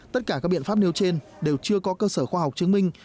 tất cả các biện pháp nêu trên đều chưa có cơ sở khoa học chứng minh